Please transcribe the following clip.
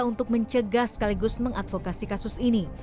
untuk mencegah sekaligus mengadvokasi kasus ini